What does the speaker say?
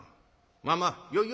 まあまあよいよい。